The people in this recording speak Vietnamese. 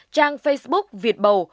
trang facebook việt bầu